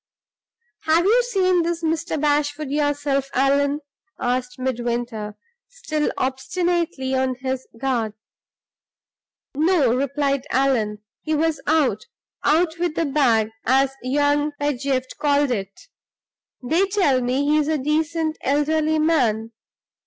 "Have you seen this Mr. Bashwood yourself, Allan?" asked Midwinter, still obstinately on his guard. "No," replied Allan "he was out out with the bag, as young Pedgift called it. They tell me he's a decent elderly man.